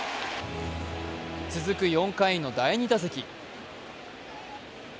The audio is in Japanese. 続く４回の第２打席。